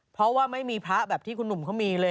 เพราะว่าไม่มีพระแบบที่คุณหนุ่มเขามีเลย